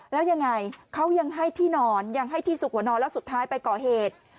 แล้วยังไงเขายังให้ที่นอนยังให้ที่สุขหัวนอนแล้วสุดท้ายไปก่อเหตุ